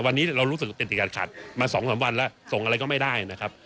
วันนี้เรารู้สึกเต็มติกันขัดมาสองสามวันแล้วส่งอะไรก็ไม่ได้นะครับ